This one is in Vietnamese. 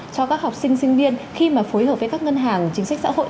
cho các học sinh sinh viên khi mà phối hợp với các ngân hàng chính sách xã hội